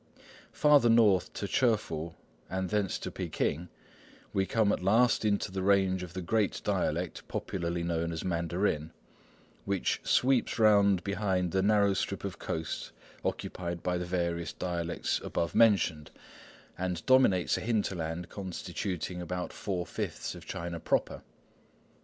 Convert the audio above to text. Farther north to Chefoo, and thence to Peking, we come at last into the range of the great dialect, popularly known as Mandarin, which sweeps round behind the narrow strip of coast occupied by the various dialects above mentioned, and dominates a hinterland constituting about four fifths of China proper.